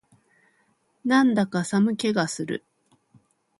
なんだか寒気がする